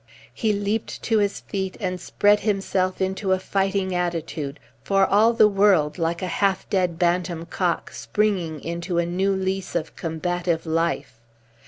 He leaped to his feet and spread himself into a fighting attitude, for all the world like a half dead bantam cock springing into a new lease of combative life.